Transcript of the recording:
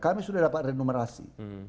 kami sudah dapat renumerasi